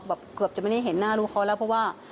เกือบจะไม่ได้เห็นหน้าลูกเขาแล้วเพราะว่า